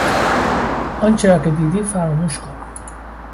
آنچه را که دیدی فراموش کن.